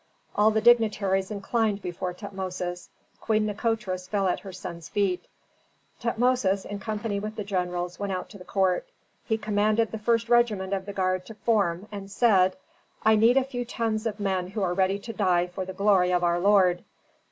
All the dignitaries inclined before Tutmosis. Queen Nikotris fell at her son's feet. Tutmosis, in company with the generals, went out to the court. He commanded the first regiment of the guard to form, and said, "I need a few tens of men who are ready to die for the glory of our lord."